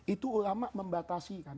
itu ulama membatasi